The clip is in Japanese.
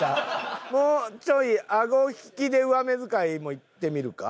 もうちょいあご引きで上目遣いもいってみるか。